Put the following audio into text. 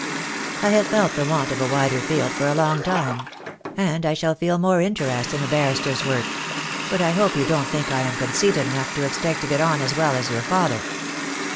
"I have felt the want of a wider field for a long time; and I shall feel more interest in a barrister's work. But I hope you don't think I am conceited enough to expect to get on as well as your father."